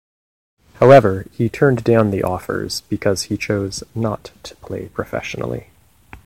However, he turned down the offers because he chose not to play professionally.